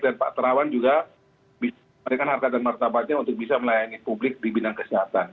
dan pak terawan juga bisa memberikan harta dan martabatnya untuk bisa melayani publik di bidang kesehatan